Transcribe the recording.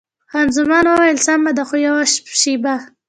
خان زمان وویل: سمه ده، خو یوه شېبه.